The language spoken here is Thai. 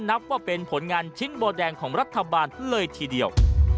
นับว่าเป็นผลงานชิ้นโบแดงของรัฐบาลเลยทีเดียว